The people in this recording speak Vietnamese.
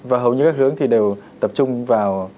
và hầu như các hướng đều tập trung vào